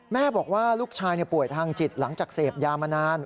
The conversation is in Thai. แม่บอกว่าลูกชายป่วยทางจิตหลังจากเสพยามานาน